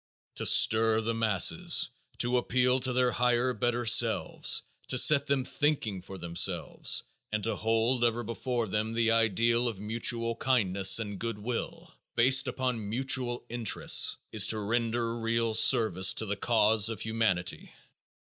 To stir the masses, to appeal to their higher, better selves, to set them thinking for themselves, and to hold ever before them the ideal of mutual kindness and good will, based upon mutual interests, is to render real service to the cause of humanity.